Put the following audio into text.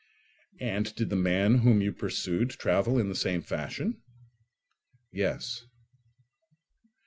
"And did the man whom you pursued travel in the same fashion?" "Yes."